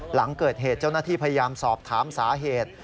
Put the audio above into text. หลังเกิดเหตุเจ้าหน้าที่พยายามสอบถามสาเหตุ